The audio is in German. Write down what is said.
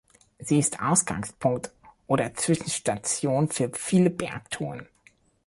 Sie ist Ausgangspunkt oder Zwischenstation für viele Bergtouren.